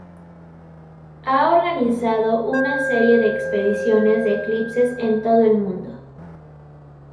Ha organizado una serie de expediciones de eclipses en todo el mundo.